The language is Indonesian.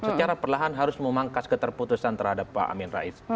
secara perlahan harus memangkas keterputusan terhadap pak amin rais